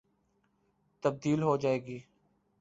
تبدیل ہو جائے گی۔